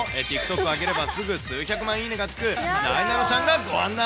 ＴｉｋＴｏｋを上げれば、すぐ、数百万いいねがつく、なえなのちゃんがご案内。